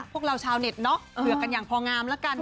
พวกเราชาวเน็ตเนอะเผื่อกันอย่างพองามแล้วกัน